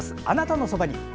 「あなたのそばに」。